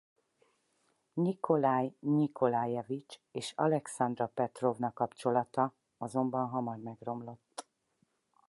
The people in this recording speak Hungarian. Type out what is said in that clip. Nyikolaj Nyikolajevics és Alekszandra Petrovna kapcsolata azonban hamar megromlott.